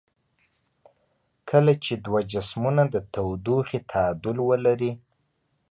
کله چې دوه جسمونه د تودوخې تعادل ولري.